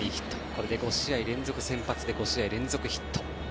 これで５試合連続先発で５試合連続ヒット。